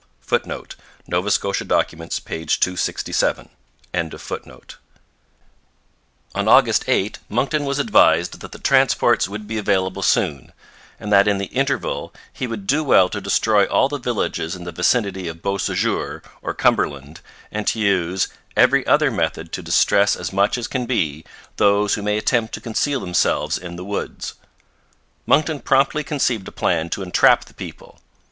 [Footnote: Nova Scotia Documents, p. 267.] On August 8 Monckton was advised that the transports would be available soon, and that in the interval he would do well to destroy all the villages in the vicinity of Beausejour or Cumberland, and to use 'every other method to distress as much as can be, those who may attempt to conceal themselves in the woods.' Monckton promptly conceived a plan to entrap the people.